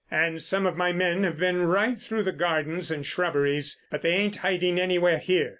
"And some of my men have been right through the gardens and shrubberies, but they ain't hiding anywhere here.